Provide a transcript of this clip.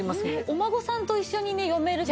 お孫さんと一緒にね読める